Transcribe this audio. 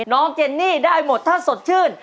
น้องเจนนี่ได้หมดท่านสดชื่น